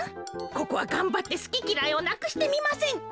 ここはがんばってすききらいをなくしてみませんか。